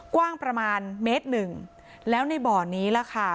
กว้างประมาณเมตรหนึ่งแล้วในบ่อนี้ล่ะค่ะ